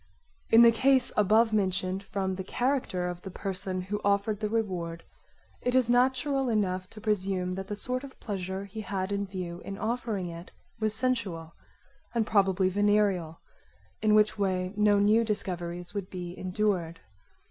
In the case abovementioned, from the character of the person who offered the reward it is natural enough to presume that the sort of pleasure he had in view in offering it was sensual and probably venereal, in which way no new discoveries would be endured.